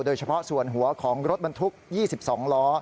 โดยเฉพาะส่วนหัวของรถบรรทุก๒๒ล้อ